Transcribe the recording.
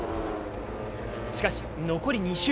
しかし、残り２周。